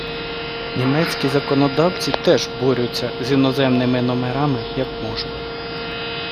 Німецькі законодавці теж борються з іноземними номерами, як можуть.